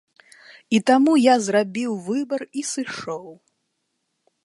І таму я зрабіў выбар і сышоў.